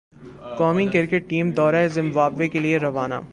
قومی cricket team دورہ Zimbabwe کے لئے روانہ